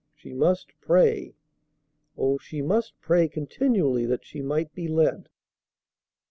She must pray. Oh, she must pray continually that she might be led!